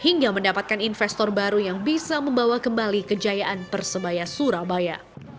hingga mendapatkan investor baru yang bisa membawa kembali kejayaan persebaya surabaya